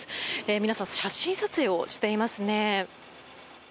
皆さん写真撮影をしていますね。